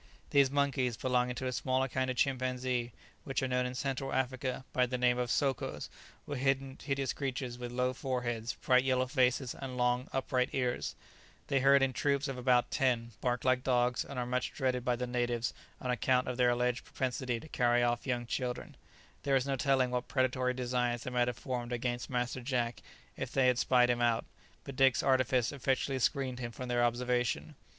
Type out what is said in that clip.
These monkeys, belonging to a smaller kind of chimpanzee, which are known in Central Africa by the name of sokos, were hideous creatures with low foreheads, bright yellow faces, and long, upright ears; they herd in troops of about ten, bark like dogs, and are much dreaded by the natives on account of their alleged propensity to carry off young children; there is no telling what predatory designs they might have formed against Master Jack if they had spied him out, but Dick's artifice effectually screened him from their observation.